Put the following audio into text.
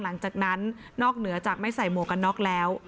หลังจากนั้นนอกเหนือจากไม่ใส่หมวกกันน็อกแล้ว